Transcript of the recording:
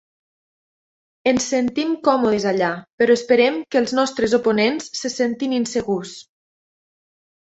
Ens sentim còmodes allà, però esperem que els nostres oponents se sentin insegurs.